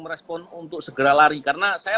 merespon untuk segera lari karena saya